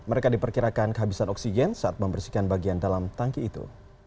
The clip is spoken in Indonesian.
mereka diperkirakan kehabisan oksigen saat membersihkan bagian dalam tangki itu